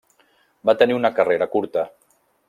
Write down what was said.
Va tenir una carrera curta.